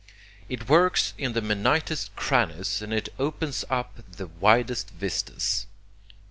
It works in the minutest crannies and it opens out the widest vistas.